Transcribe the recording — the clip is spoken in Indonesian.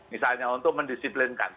misalnya untuk mendisiplinkan